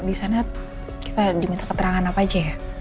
disana kita diminta keterangan apa aja ya